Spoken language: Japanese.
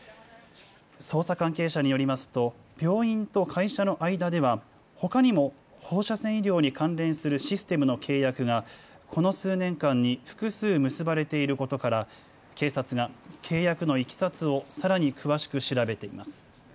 捜査関係者によりますと病院と会社の間では、ほかにも放射線医療に関連するシステムの契約がこの数年間に複数結ばれていることから警察が契約のいきさつをさらに詳しく調べています。